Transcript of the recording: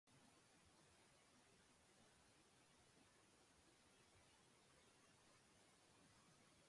¡No bebas demasiada agua, que tampoco es bueno!